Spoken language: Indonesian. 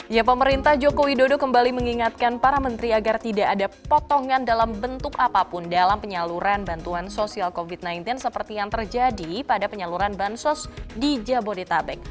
ya pemerintah joko widodo kembali mengingatkan para menteri agar tidak ada potongan dalam bentuk apapun dalam penyaluran bantuan sosial covid sembilan belas seperti yang terjadi pada penyaluran bansos di jabodetabek